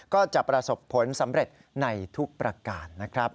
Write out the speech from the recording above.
ก็จะประสบผลสำเร็จในทุกประการนะครับ